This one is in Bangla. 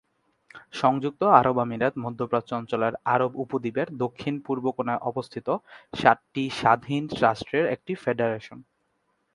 সংযুক্ত আরব আমিরাত মধ্যপ্রাচ্য অঞ্চলের আরব উপদ্বীপের দক্ষিণ-পূর্ব কোনায় অবস্থিত সাতটি স্বাধীন রাষ্ট্রের একটি ফেডারেশন।